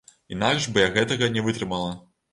Інакш бы я гэтага не вытрымала.